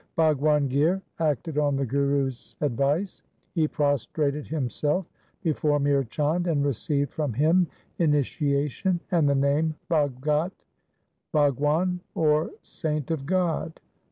Bhagwan Gir acted on the Guru's advice. He prostrated himself before Mihr Chand, and received from him initiation, and the name Bhagat Bhagwan, or saint of God.